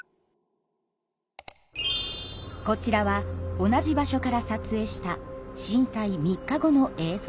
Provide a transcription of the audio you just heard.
こちらは同じ場所から撮影した震災３日後の映像です。